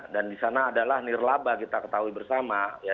dan di sana adalah nirlaba kita ketahui bersama ya